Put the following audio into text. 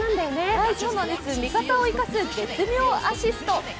味方を生かす絶妙アシスト。